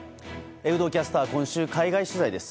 有働キャスターは今週、海外取材です。